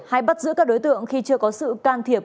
hay bắt giữ các đối tượng khi chưa có sự can thiệp